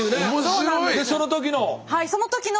でその時の。